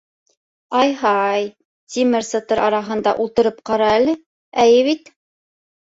Ай-һай, тимер сытыр араһында ултырып ҡара әле, эйе бит?!